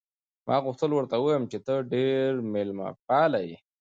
ما غوښتل ورته ووایم چې ته ډېره مېلمه پاله یې.